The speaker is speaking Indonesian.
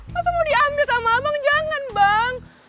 masa mau diambil sama abang jangan bang